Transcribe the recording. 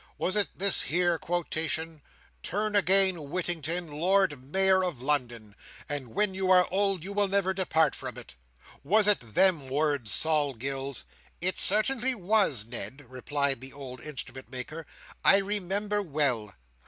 Was it this here quotation, 'Turn again Whittington, Lord Mayor of London, and when you are old you will never depart from it.' Was it them words, Sol Gills?" "It certainly was, Ned," replied the old Instrument maker. "I remember well."